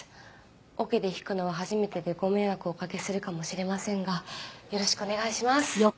オケで弾くのは初めてでご迷惑をおかけするかもしれませんがよろしくお願いします。